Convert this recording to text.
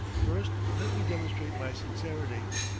First let me demonstrate my sincerity.